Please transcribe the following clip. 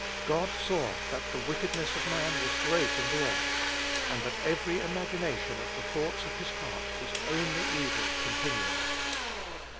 "God saw that the wickedness of man was great in the earth, and that every imagination of the thoughts of his heart was only evil continually."